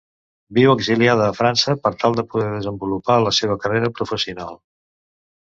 Viu exiliada a França per tal de poder desenvolupar la seva carrera professional.